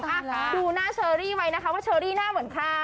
ดูหน้าเชอรี่ไว้นะคะว่าเชอรี่หน้าเหมือนใคร